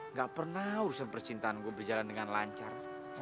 nggak pernah urusan percintaan gue berjalan dengan lancar